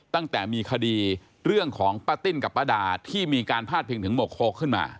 ตั้งแต่มีคดีเรื่องของป้าติ้นกับป้าดาที่มีการพาดพิงถึงหมวกโค้กขึ้นมา